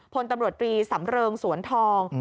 พลตำรวจตรีสำเริงสวนทอง